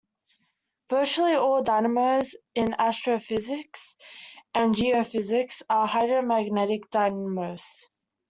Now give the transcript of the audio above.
Virtually all dynamos in astrophysics and geophysics are hydromagnetic dynamos.